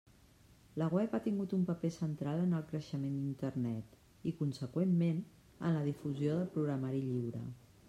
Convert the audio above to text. La web ha tingut un paper central en el creixement d'Internet i, conseqüentment, en la difusió del programari lliure.